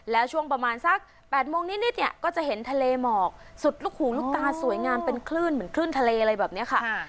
แล้วช่วงประมาณสัก๘โมงนิดเนี่ยก็จะเห็นทะเลหมอกสุดลูกหูลูกตาสวยงามเป็นคลื่นเหมือนคลื่นทะเลอะไรแบบนี้ค่ะ